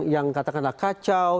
yang katakanlah kacau